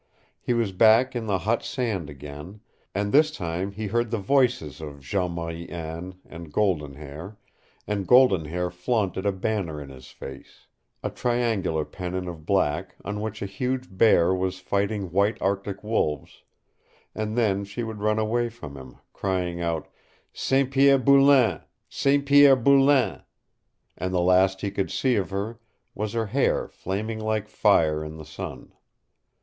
He was back in the hot sand again, and this time he heard the voices of Jeanne Marie Anne and Golden Hair, and Golden Hair flaunted a banner in his face, a triangular pennon of black on which a huge bear was fighting white Arctic wolves, and then she would run away from him, crying out "St. Pierre Boulain St. Pierre Boulain " and the last he could see of her was her hair flaming like fire in the sun.